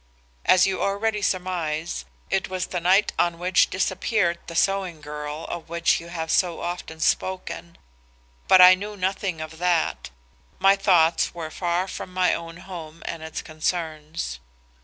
As you already surmise, it was the night on which disappeared the sewing girl of which you have so often spoken, but I knew nothing of that, my thoughts were far from my own home and its concerns.